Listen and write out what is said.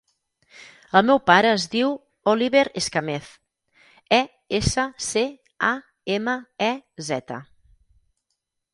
El meu pare es diu Oliver Escamez: e, essa, ce, a, ema, e, zeta.